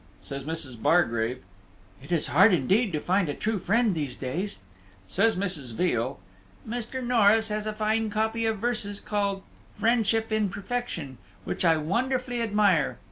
Says Mrs. Bargrave, "It is hard indeed to find a true friend in these days." Says Mrs. Veal, "Mr. Norris has a fine copy of verses, called Friendship in Perfection, which I wonderfully admire.